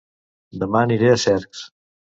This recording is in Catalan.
Dema aniré a Cercs